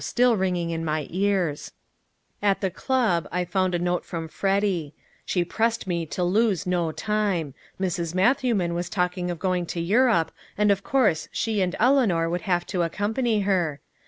still ringing in my ears. At the club I found a note from Freddy. She pressed me to lose no time. Mrs. Matthewman was talking of going to Europe, and of course she and Eleanor would have to accompany her.